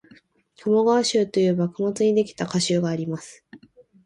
「鴨川集」という幕末にできた歌集があります